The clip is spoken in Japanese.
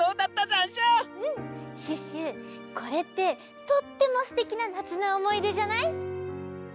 これってとってもすてきななつのおもいでじゃない？